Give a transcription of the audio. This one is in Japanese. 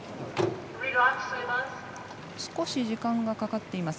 少し時間がかかっています。